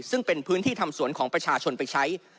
ซึ่งเป็นพื้นที่ทำสวนของประชาชนไปใช้